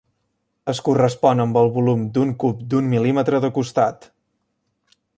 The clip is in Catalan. Es correspon amb el volum d'un cub d'un mil·límetre de costat.